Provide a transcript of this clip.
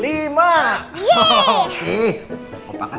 cucok opa menang